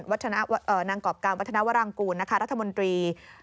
วัฒนาวรังกูลนะคะรัฐมนตรี